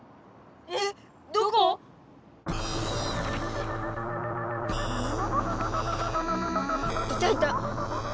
えっどこ⁉いたいた。